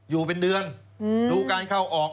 อยู่เป็นเดือนดูการเข้าออก